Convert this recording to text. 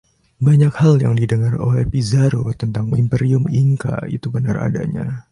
Banyak hal yang didengar oleh Pizzaro tentang imperium Inca itu benar adanya.